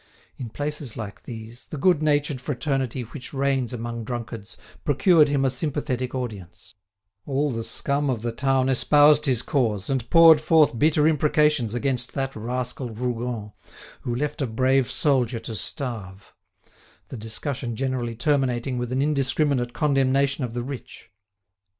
In places like these, the good natured fraternity which reigns among drunkards procured him a sympathetic audience; all the scum of the town espoused his cause, and poured forth bitter imprecations against that rascal Rougon, who left a brave soldier to starve; the discussion generally terminating with an indiscriminate condemnation of the rich.